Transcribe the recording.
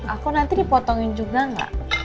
aku nanti dipotongin juga gak